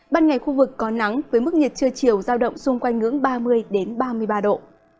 ban ngày khu vực có nắng với mức nhiệt trưa chiều giao động xung quanh ngưỡng ba mươi ba mươi ba độ